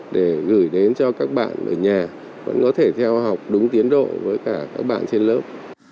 để gửi đến cho các bạn ở nhà vẫn có thể theo học đúng tiến độ với cả các bạn trên lớp